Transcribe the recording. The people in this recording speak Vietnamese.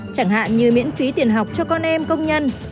chẳng hạn như miễn phí tiền học cho con em công nhân